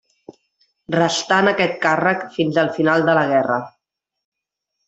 Restà en aquest càrrec fins al final de la guerra.